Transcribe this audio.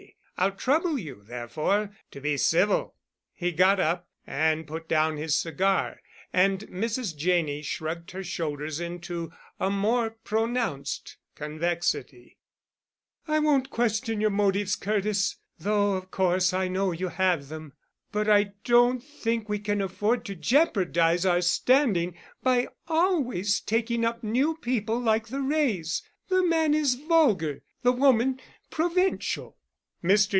I'll trouble you, therefore, to be civil." He got up and put down his cigar, and Mrs. Janney shrugged her shoulders into a more pronounced convexity. "I won't question your motives, Curtis, though, of course, I know you have them. But I don't think we can afford to jeopardize our standing by always taking up new people like the Wrays. The man is vulgar—the woman, provincial." Mr.